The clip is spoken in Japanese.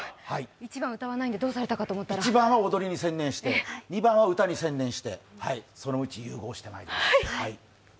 １番は踊りに専念して２番は歌に専念してそのうち融合してまいります。